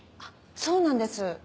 そうなんです。